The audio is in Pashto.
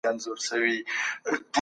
د غالب ځواني په خپلو شعرونو کې ښکاري.